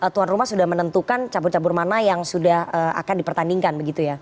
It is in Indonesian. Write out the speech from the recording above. tuan rumah sudah menentukan cabur cabur mana yang sudah akan dipertandingkan begitu ya